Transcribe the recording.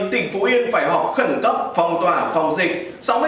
tp hcm phải họp khẩn cấp phòng tỏa phòng dịch